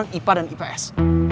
anak ipa dan ips